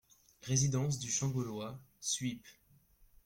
Résidence du Champ Gaulois, Suippes